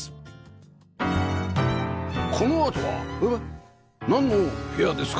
このあとはえっなんの部屋ですか？